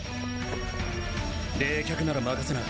冷却なら任せな。